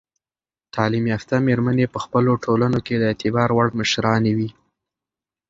تعلیم یافته میرمنې په خپلو ټولنو کې د اعتبار وړ مشرانې وي.